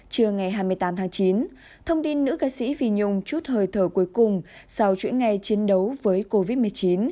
trưa ngày hai mươi tám tháng chín thông tin nữ ca sĩ phi nhung chút hơi thở cuối cùng sau chuỗi ngày chiến đấu với covid một mươi chín